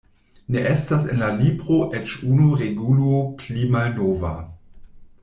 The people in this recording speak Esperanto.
"Ne estas en la libro eĉ unu regulo pli malnova!"